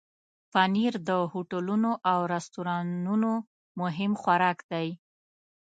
پنېر د هوټلونو او رستورانونو مهم خوراک دی.